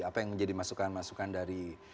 apa yang menjadi masukan masukan dari